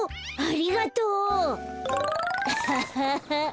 ありがとう！